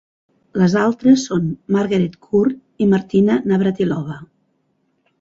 Les altres són Margaret Court i Martina Navratilova.